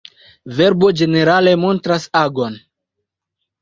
Verbo ĝenerale montras agon.